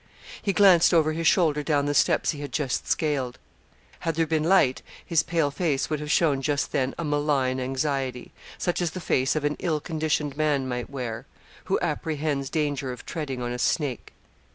He glanced over his shoulder down the steps he had just scaled. Had there been light his pale face would have shown just then a malign anxiety, such as the face of an ill conditioned man might wear, who apprehends danger of treading on a snake.